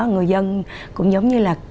người dân cũng giống như là